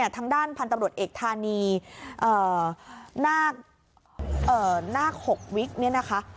ทางด้านพันธุ์ตำรวจเอกธานีนาค๖วิกเนี่ยนะคะ